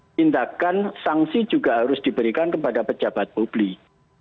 tindakan sanksi juga harus diberikan kepada pejabat publik